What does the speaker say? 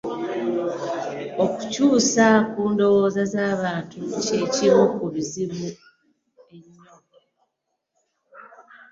Okukyusa endowooza z'abantu kye kimu ku bizibu ennyo.